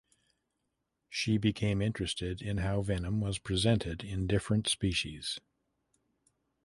She became interested in how venom was presented in different species.